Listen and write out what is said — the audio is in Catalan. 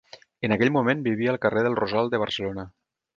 En aquell moment vivia al carrer del Rosal de Barcelona.